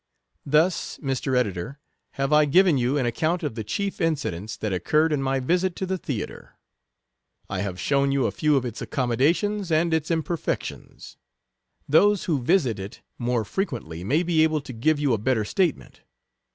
Thus, Mr. Editor, have I given you an account of the chief incidents that occurred in my visit to the Theatre. I have shown you a few of its accommodations and its imperfec tions. Those who visit it more frequently may be able jto give you a better statement.